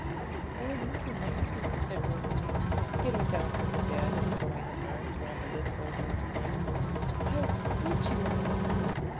'Oh, Mother Manikin,' said Rosalie, getting down from the bed and throwing her arms round the little old woman's neck, 'how good you are!'